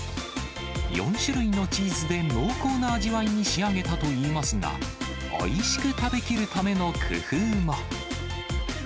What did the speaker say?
４種類のチーズで濃厚な味わいに仕上げたといいますが、おいしく食べきるための工夫も。